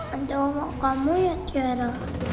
ada oma kamu ya tiara